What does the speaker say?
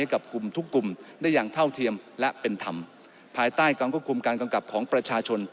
กับกลุ่มทุกกลุ่มได้อย่างเท่าเทียมและเป็นธรรมภายใต้การควบคุมการกำกับของประชาชน